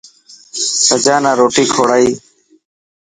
سجا نا روٽي ڪوڙائي.